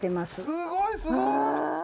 すごいすごい。